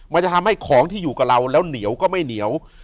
มันจะทำให้ของที่อยู่กับเราแล้วเหนียวก็ไม่เหนียว